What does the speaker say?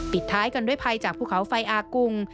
ปิดท้ายกันด้วยภัยจากภูเขาไฟอากุง